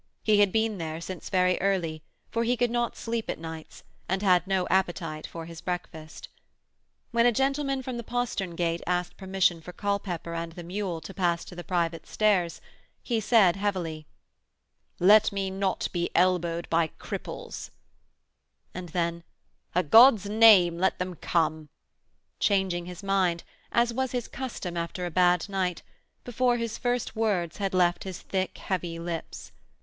He had been there since very early, for he could not sleep at nights, and had no appetite for his breakfast. When a gentleman from the postern gate asked permission for Culpepper and the mule to pass to the private stairs, he said heavily: 'Let me not be elbowed by cripples,' and then: 'A' God's name let them come,' changing his mind, as was his custom after a bad night, before his first words had left his thick, heavy lips.